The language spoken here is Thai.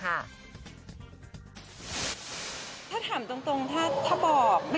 ถ้าถามตรงถ้าบอก